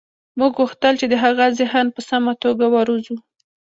موږ غوښتل چې د هغه ذهن په سمه توګه وروزو